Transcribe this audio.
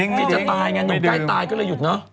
พี่จะตายไงหนุ่มใกล้ตายก็เลยหยุดเนอะ